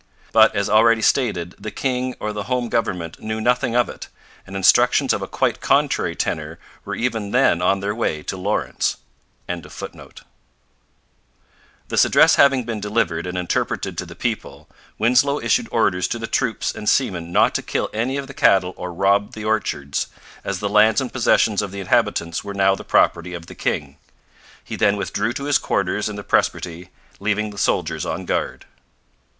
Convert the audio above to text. But, as already stated, the king or the home government knew nothing of it; and instructions of a quite contrary tenor were even then on their way to Lawrence.] This address having been delivered and interpreted to the people, Winslow issued orders to the troops and seamen not to kill any of the cattle or rob the orchards, as the lands and possessions of the inhabitants were now the property of the king. He then withdrew to his quarters in the presbytery, leaving the soldiers on guard.